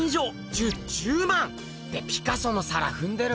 じゅ１０万⁉ってピカソの皿ふんでる！